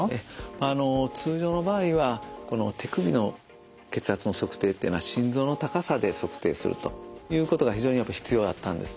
あの通常の場合はこの手首の血圧の測定っていうのは心臓の高さで測定するということが非常に必要だったんですね。